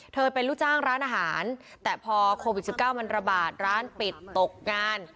เป็นลูกจ้างร้านอาหารแต่พอโควิด๑๙มันระบาดร้านปิดตกงาน